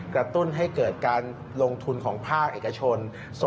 ตุ้นให้เกิดการลงทุนของภาคเอกชน